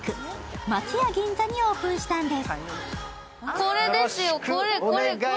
松屋銀座にオープンしたんです。